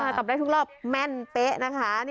จับได้ทุกรอบแม่นเป๊ะนะคะ